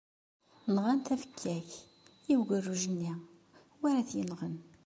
Nɣan tafekka-k, i ugerruj-nni, anwa ara t-yenɣen?